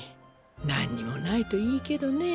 なんにもないといいけどね。